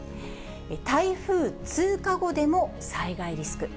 台風通過後でも災害リスク。